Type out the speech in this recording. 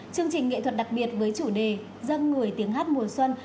chương trình nghệ thuật đặc biệt với chủ đề dân người tiếng hát mùa xuân